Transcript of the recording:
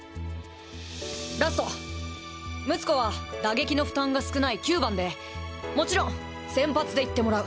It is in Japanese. ラスト睦子は打撃の負担が少ない９番でもちろん先発でいってもらう。